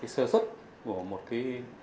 sơ xuất của một cái